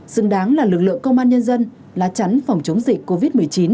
xứng đáng là lực lượng công an nhân dân lá chắn phòng chống dịch covid một mươi chín